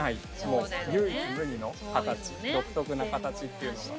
もう唯一無二の形独特な形っていうのが。